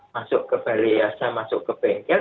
masuk ke baliasa masuk ke bengkel